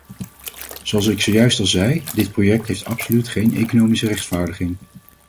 Zoals ik zojuist al zei, dit project heeft absoluut geen economische rechtvaardiging.